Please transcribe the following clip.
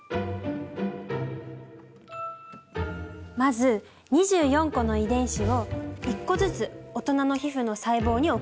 まず２４個の遺伝子を１個ずつ大人の皮膚の細胞に送り込んでみた。